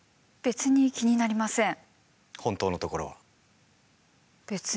別に気になりません。